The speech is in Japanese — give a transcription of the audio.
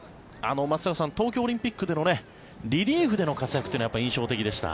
松坂さん東京オリンピックでのリリーフでの活躍が印象的でした。